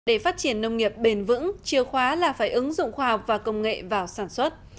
để phát triển nông nghiệp bền vững chìa khóa là phải ứng dụng khoa học và công nghệ vào sản xuất